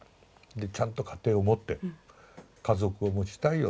でちゃんと家庭を持って家族を持ちたいよ。